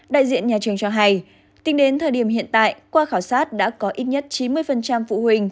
đại diện nhà trường cho hay tính đến thời điểm hiện tại qua khảo sát đã có ít nhất chín mươi phụ huynh